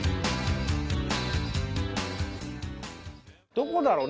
どこだろう？